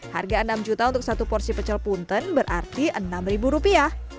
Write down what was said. harga enam juta untuk satu porsi pecel punten berarti enam ribu rupiah